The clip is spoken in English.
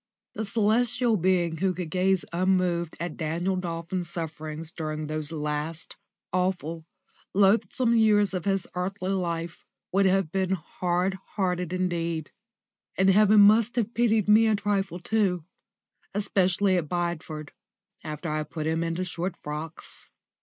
The celestial being who could gaze unmoved at Daniel Dolphin's sufferings during those last, awful, loathsome years of his earthly life would have been hard hearted indeed. And heaven must have pitied me a trifle too especially at Bideford, after I had put him into short frocks.